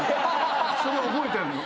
それ覚えてるの。